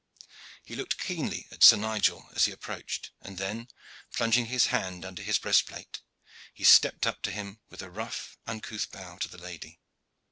He looked keenly at Sir Nigel as he approached, and then, plunging his hand under his breastplate, he stepped up to him with a rough, uncouth bow to the lady.